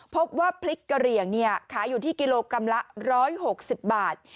พบว่าพริกกระเหลี่ยงขายอยู่ที่กิโลกรัมละ๑๖๐บาท